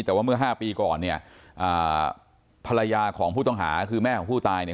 แต่ว่าเมื่อ๕ปีก่อนเนี่ยภรรยาของผู้ต้องหาคือแม่ของผู้ตายเนี่ย